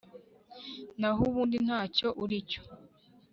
naho ubundi ntacyo uri cyo